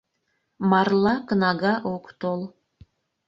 МАРЛА КНАГА ОК ТОЛ